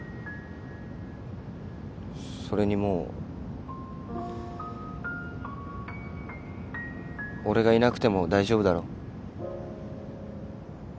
それにもう俺がいなくても大丈夫だろ？